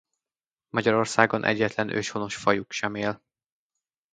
Magyarországon egyetlen őshonos fajuk sem él.